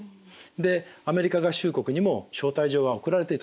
でアメリカ合衆国にも招待状は送られていた